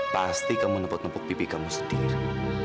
pasti kamu nupuk nupuk pipi kamu sendiri